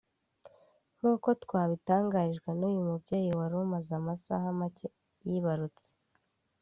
nk'uko twabitangarijwe n'uyu mubyeyi wari umaze amasaha make yibarutse